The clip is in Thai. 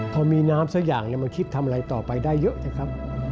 พอมีน้ำสักอย่างมาคิดทำอะไรต่อไปได้เยอะเถอะครับ